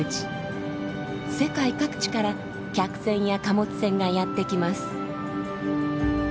世界各地から客船や貨物船がやって来ます。